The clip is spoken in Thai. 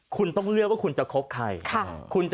คุณต้องเลือกว่าคุณจะคบใคร